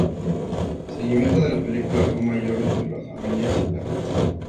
Seguimiento de la película fue mayor entre las familias y las mujeres.